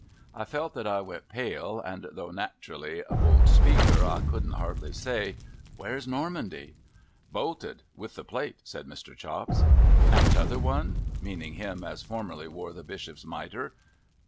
I felt that I went pale, and though nat'rally a bold speaker, I couldn't hardly say, ' Where's Normandy? '' Bolted. Vvith the plate,' said Mr. Chops. ' And t'other one ?' meaning him as formerly wore the bishop's mitre.